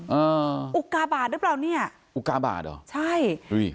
อ่าอุกาบาทหรือเปล่าเนี่ยอุกาบาทเหรอใช่อุ้ย